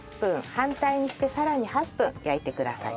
反対にしてさらに８分焼いてください。